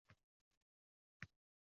Derdim: